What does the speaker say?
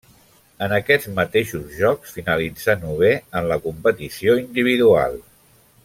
En aquests mateixos Jocs finalitzà novè en la competició individual.